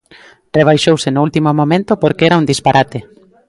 Rebaixouse no último momento porque era un disparate.